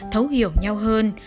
thấu hiểu nhau hơn